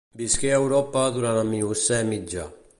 Visqué a Europa durant el Miocè mitjà.